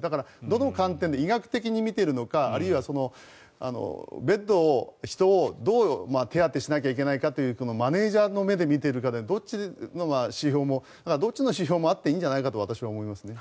だから、どの観点医学的に見ているのかあるいはベッドを、人をどう手当てしなければいけないかというマネジャーの目で見ているかでどっちの指標もあっていいんじゃないかと私は思いますね。